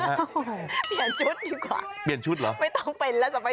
เปลี่ยนชุดดีกว่าไม่ต้องเป็นแล้วสภาพสปไตเดอร์แมนนะเปลี่ยนชุดดีกว่า